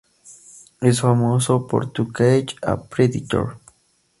Es famoso por "To Catch a Predator".